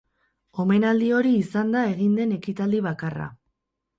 Omenaldi hori izan da egin den ekitaldi bakarra.